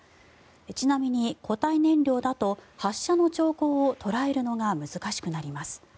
ちなみに固体燃料だと発射の兆候を捉えるのが難しくなります。